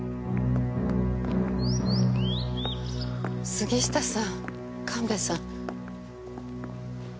杉下さん神戸さん。